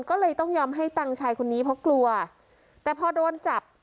ก็เลยต้องยอมให้ตังค์ชายคนนี้เพราะกลัวแต่พอโดนจับ